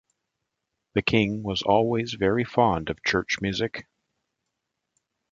The king was always very fond of church music.